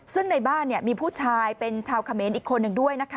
ซึ่งในบ้านมีผู้ชายเป็นชาวเขมรอีกคนหนึ่งด้วยนะคะ